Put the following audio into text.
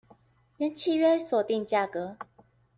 原契約所定價格